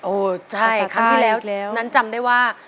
ใช่ครั้งที่แล้วนั้นจำได้ว่า